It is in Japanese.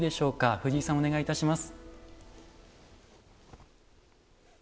藤井さんお願いいたします。